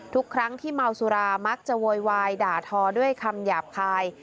ทุกครั้งที่เมาสุรามักจะโวยวายด่าทอด้วยคำหยาบคาย